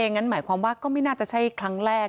งั้นหมายความว่าก็ไม่น่าจะใช่ครั้งแรก